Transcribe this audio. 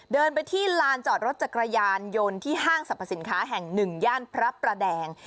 เดินไปที่ลานจอดรถจักรยานยนต์ที่ห้างสรรพสินค้าแห่งหนึ่งย่านพระประแดง